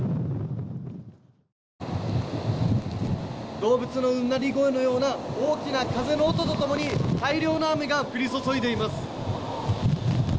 動物のうなり声のような大きな風の音と共に大量の雨が降り注いでいます。